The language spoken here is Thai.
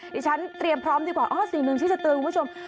ดิฉันเตรียมพร้อมดีกว่าอ๋อ๔นึงชื่อเจ้าตือคุณผู้ชม